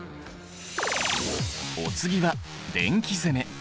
お次は電気攻め。